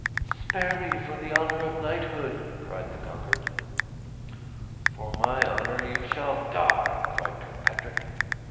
"Spare me, for the honor of knighthood!" cried the conquered. "For my honor you shall die!" cried Kirkpatrick.